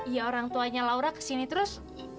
ya orang tuanya laura kesini terus